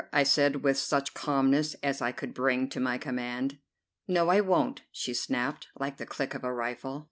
I said with such calmness as I could bring to my command. "No, I won't," she snapped, like the click of a rifle.